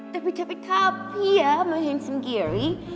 tapi tapi tapi ya mbak hanson giri